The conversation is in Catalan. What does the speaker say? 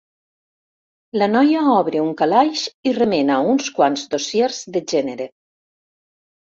La noia obre un calaix i remena uns quants dossiers de gènere.